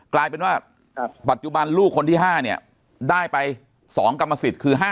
กลายเป็นว่าปัจจุบันลูกคนที่๕เนี่ยได้ไป๒กรรมสิทธิ์คือ๕๐